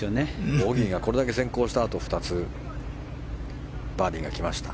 ボギーがこれだけ先行したあと２つバーディーがきました。